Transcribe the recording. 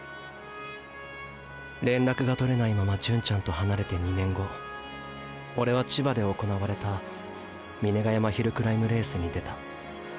連絡がとれないまま純ちゃんと離れて２年後オレは千葉で行われた峰ヶ山ヒルクライムレースに出た。